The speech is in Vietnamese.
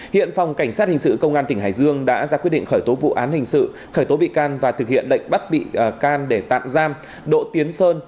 hiện phòng cảnh sát hình sự công an tỉnh hải dương đã ra quyết định khởi tố vụ án hình sự khởi tố bị can và thực hiện lệnh bắt bị can để tạm giam đỗ tiến sơn